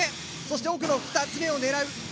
そして奥の２つ目を狙う。